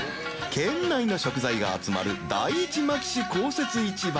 県内の食材が集まる第一牧志公設市場